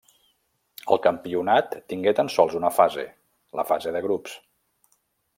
El campionat tingué tan sols una fase, la fase de grups.